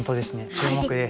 注目です。